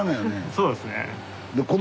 そうですね。